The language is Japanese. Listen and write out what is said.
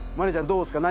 どうっすか？